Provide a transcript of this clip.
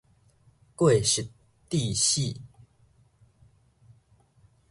過失致死